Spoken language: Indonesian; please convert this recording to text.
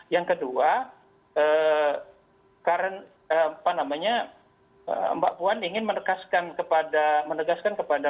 yang kedua mbak puan ingin menekaskan kepada